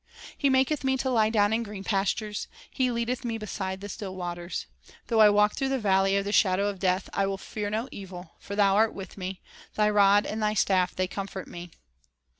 He maketh me to lie down in green pastures ; He leadeth me beside the still waters. ... Though I walk through the valley of the shadow of death, I will fear no evil; for Thou art with me ; Thy rod and Thy staff they comfort me."